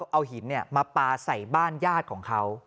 เอาหินมาปลาใส่บ้านญาติของเขา